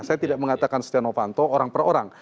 saya tidak mengatakan setia novanto orang per orang